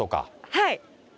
はい。